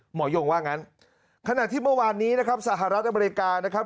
ยงว่างั้นขณะที่เมื่อวานนี้นะครับสหรัฐอเมริกานะครับ